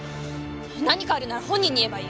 何かあるなら本人に言えばいい。